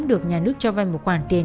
được nhà nước cho vay một khoản tiền